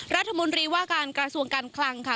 รัฐมนตรีว่าการกระทรวงการคลังค่ะ